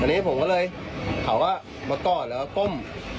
อันนี้ผมก็เลยเขาก็มากอดแล้วก็ก้ม